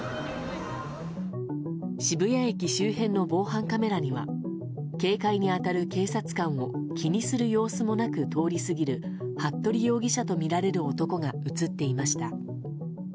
渋谷駅周辺の防犯カメラには警戒に当たる警察官を気にする様子もなく通り過ぎる服部容疑者とみられる男が映っていました。